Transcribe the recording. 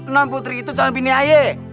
enam putri itu calon bini ayek